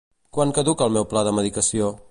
Quan caduca el meu pla de medicació?